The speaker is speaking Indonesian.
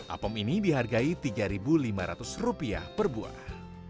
apem ini dihargai rp tiga lima ratus per buah